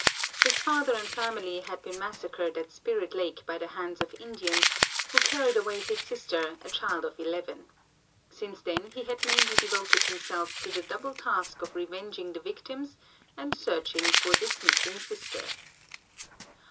His father and family had been massacred at Spirit Lake by the hands of Indians, who carried away his sister, a child of eleven. Since then he had mainly devoted himself to the double task of revenging the victims and searching for this missing sister.